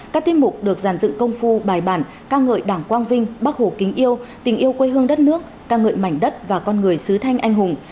các tiết mục được giàn dựng công phu bài bản ca ngợi đảng quang vinh bác hồ kính yêu tình yêu quê hương đất nước ca ngợi mảnh đất và con người sứ thanh anh hùng